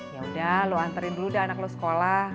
ya udah lo antarin dulu dah anak lo sekolah